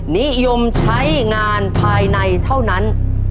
นิยมใช้งานภายในเท่านั้น